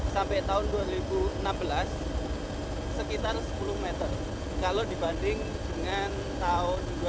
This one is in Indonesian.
sampai tahun dua ribu enam belas sekitar sepuluh meter kalau dibanding dengan tahun dua ribu enam belas